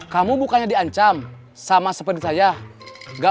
kamu bukannya diancam sama seperti saya